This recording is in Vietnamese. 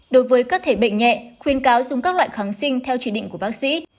đối với các thể bệnh nhẹ khuyên cáo dùng các loại kháng sinh theo chỉ định của bác sĩ